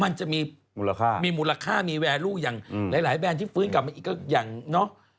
มันจะมีมูลค่ามีมูลค่ามีแวร์ลูกอย่างหลายแบรนด์ที่ฟื้นกลับมาอีกก็อย่างเนอะ